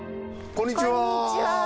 こんにちは。